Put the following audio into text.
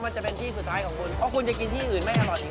มันจะเป็นที่สุดท้ายของคุณ